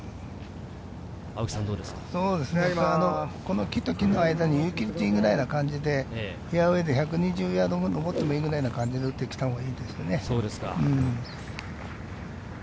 木と木の間にユーティリティーくらいな感じでフェアウエーで１２０残ってもいいくらいの感じで打ったほうがいいですね。